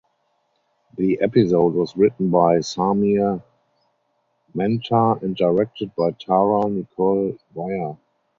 The episode was written by Samir Mehta and directed by Tara Nicole Weyr.